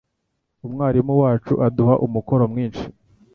Umwarimu wacu aduha umukoro mwinshi.